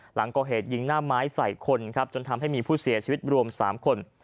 หลังก่อเหตุยิงหน้าไม้ใส่คนครับจนทำให้มีผู้เสียชีวิตรวม๓คน